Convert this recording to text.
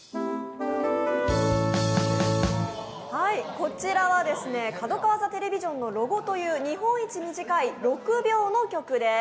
こちらは「角川ザ・テレビジョンのロゴ」という日本一短い６秒の曲です。